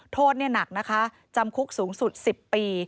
โทษนี่หนักนะคะจำคุกสูงสุด๑๐ปี